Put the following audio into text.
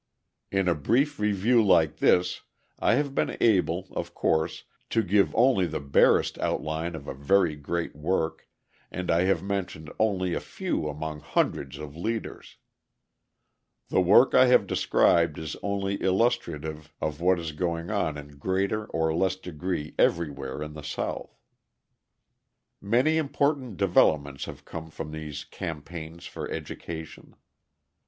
In a brief review like this, I have been able, of course, to give only the barest outline of a very great work, and I have mentioned only a few among hundreds of leaders; the work I have described is only illustrative of what is going on in greater or less degree everywhere in the South. Many important developments have come from these campaigns for education.